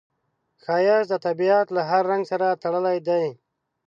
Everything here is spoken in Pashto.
ښایست د طبیعت له هر رنګ سره تړلی دی